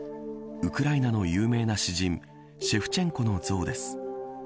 ウクライナの有名な詩人シェフチェンコの像です。